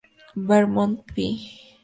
Vermont Pl.